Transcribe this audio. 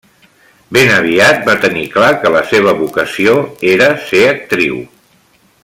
Ben aviat va tenir clar que la seva vocació era ser actriu.